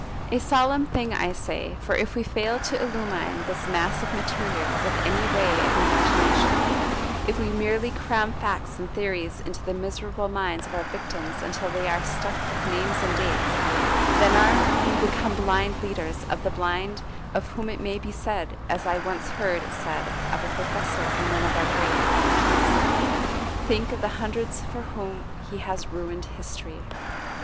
A solemn thing, I say, for if we fail to illumine this mass of material with any ray of the imagination, if we merely cram facts and theories into the miserable minds of our victims until they are stuffed with names and dates, then are we become blind leaders of the blind of whom it may be said, as I once heard it said of a professor in one of our great colleges, "Think of the hundreds for whom he has ruined history."